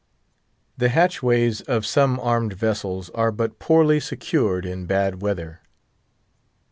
The hatchways of some armed vessels are but poorly secured in bad weather.